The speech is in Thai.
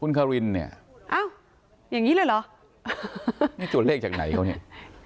คุณคารินเนี่ยอ้าวอย่างนี้เลยเหรอนี่ตัวเลขจากไหนเขาเนี่ย